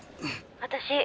「私」